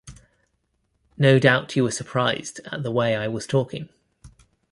No doubt you were surprised at the way I was talking.